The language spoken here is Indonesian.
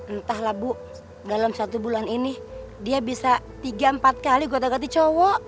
entahlah bu dalam satu bulan ini dia bisa tiga empat kali gota ganti cowok